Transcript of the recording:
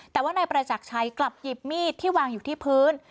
แต่ว่านายประจักรชัยกลับหยิบมีดที่วางอยู่ที่พื้น